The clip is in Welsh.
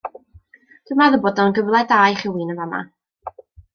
Dw i'n meddwl bod o'n gyfle da i rhywun yn fama.